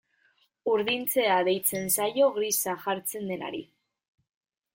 Urdintzea deitzen zaio grisa jartzen denari.